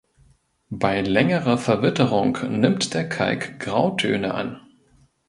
Bei längerer Verwitterung nimmt der Kalk Grautöne an.